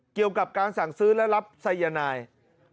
เกี่ยวกับการสั่งซื้อและรับสายนาย